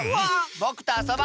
ぼくとあそぶ！